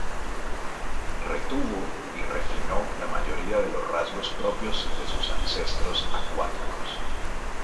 Retuvo y refinó la mayoría de los rasgos propios de sus ancestros acuáticos.